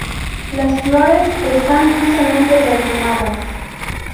Las flores están dulcemente perfumadas.